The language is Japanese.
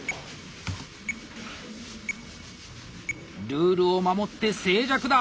ルールを守って静寂だ！